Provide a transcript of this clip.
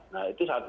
nah itu satu